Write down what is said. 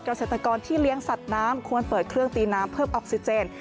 เกษตรกรที่เลี้ยงสัตว์น้ำควรเปิดเครื่องตีน้ำเพิ่มออกซิเจน